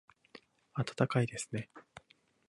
暖かいですね